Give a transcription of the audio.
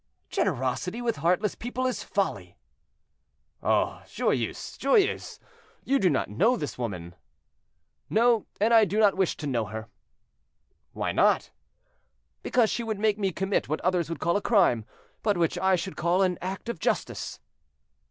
"Generosity with heartless people is folly." "Oh! Joyeuse, Joyeuse, you do not know this woman." "No, I do not wish to know her." "Why not?" "Because she would make me commit what others would call a crime, but which I should call an act of justice."